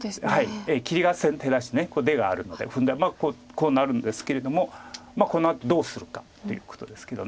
切りが先手だしこれ出があるのでこうなるんですけれどもこのあとどうするかということですけど。